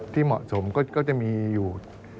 ที่เหมาะสมก็จะมีอยู่